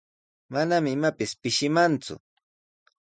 Mana imapis pishimanku.